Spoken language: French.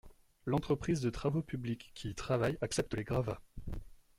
L’entreprise de travaux publics qui y travaille accepte les gravats.